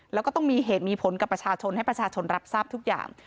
แล้วก็ต้องมีเหตุมีผลกับประชาชนให้ประชาชนรับทราบทุกอย่าง